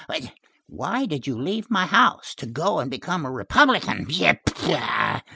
Why did you leave my house? To go and become a Republican! Pssst!